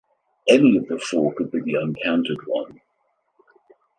Any of the four could be the uncounted one.